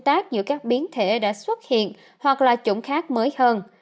tát như các biến thể đã xuất hiện hoặc là chủng khác mới hơn